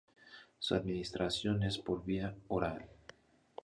Su administración es por vía oral.